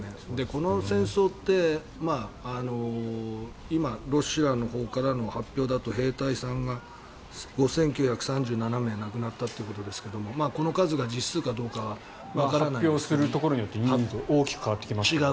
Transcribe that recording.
この戦争って今、ロシアのほうからの発表だと兵隊さんが５９３７名亡くなったということですけど発表するところによって人数は大きく変わってきますから。